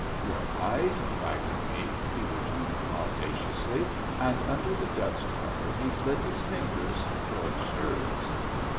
"Your eyes invited me," he returned audaciously, and under the dust cover he slid his fingers towards hers.